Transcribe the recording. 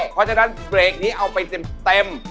เพราะฉะนั้นเบรกนี้เอาไปเต็ม